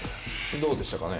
どうでしたかね。